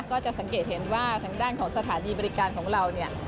ก็จะสังเกตเห็นว่าทางด้านของสถานีบริการของเราเนี่ย